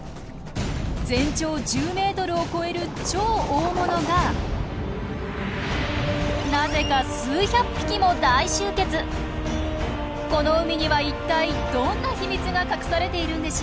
全長１０メートルを超える超大物がこの海には一体どんな秘密が隠されているんでしょう？